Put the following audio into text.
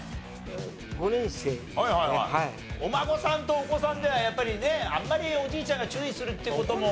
お孫さんとお子さんではやっぱりねあんまりおじいちゃんが注意するっていう事も。